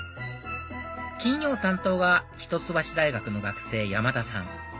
金曜担当が一橋大学の学生山田さん